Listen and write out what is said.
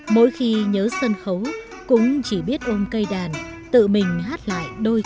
mỗi khi nhớ sân khấu cũng chỉ biết ôm cây đàn tự mình hát lại đôi